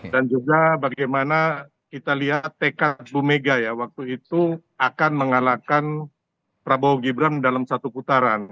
dan juga bagaimana kita lihat tekad bu megah ya waktu itu akan mengalahkan prabowo gibran dalam satu putaran